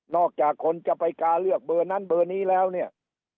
อกจากคนจะไปกาเลือกเบอร์นั้นเบอร์นี้แล้วเนี่ย